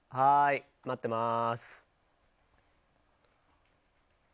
待ってます。